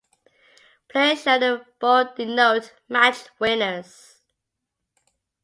Players shown in bold denote match winners.